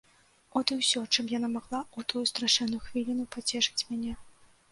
От і ўсё, чым яна магла ў тую страшэнную хвіліну пацешыць мяне.